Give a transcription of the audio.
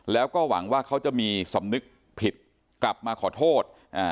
แล้วก็หวังว่าเขาจะมีสำนึกผิดกลับมาขอโทษ